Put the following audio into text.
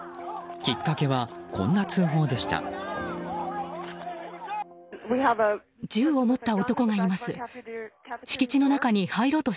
きっかけは、こんな通報でした。